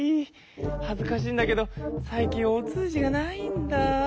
はずかしいんだけど最近お通じがないんだ。